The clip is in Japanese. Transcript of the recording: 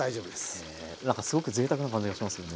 へえなんかすごくぜいたくな感じがしますよね。